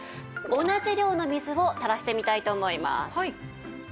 同じ量の水を垂らしてみたいと思います。